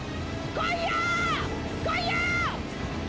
来いよ！